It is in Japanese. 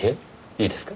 いいですか？